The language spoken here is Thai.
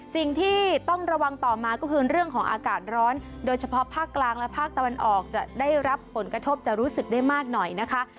สิ่งที่ต้องระวังต่อมาก็คือเรื่องของอากาศร้อนโดยเฉพาะภาคกลางและภาคตะวันออกจะได้รับผลกระทบจะรู้สึกได้มากหน่อยนะคะ